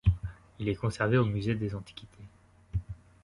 Il est conservé au musée des antiquités.